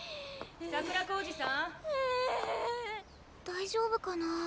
大丈夫かなあ。